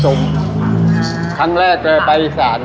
สองครั้งแรกเจอใบสาร